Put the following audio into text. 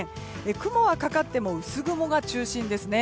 雲はかかっても薄雲が中心ですね。